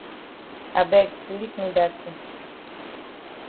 I beg leave me dat tin.